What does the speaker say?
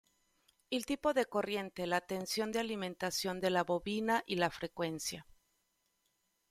El tipo de corriente, la tensión de alimentación de la bobina y la frecuencia.